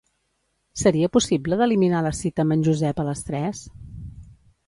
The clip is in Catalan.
Seria possible d'eliminar la cita amb en Josep a les tres?